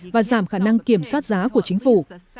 và giảm khả năng kiểm soát giá của chính phủ